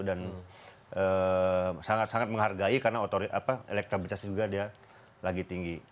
dan sangat sangat menghargai karena elektabilitas juga dia lagi tinggi